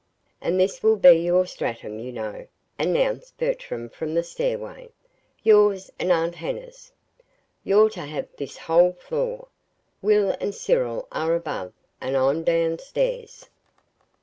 "And this will be your stratum, you know," announced Bertram from the stairway, "yours and Aunt Hannah's. You're to have this whole floor. Will and Cyril are above, and I'm down stairs."